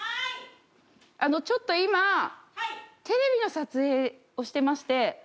ちょっと今テレビの撮影をしてまして。